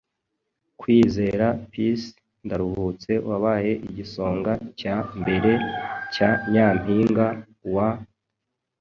Kwizera Peace Ndaruhutse wabaye igisonga cya mbere cya Nyampinga w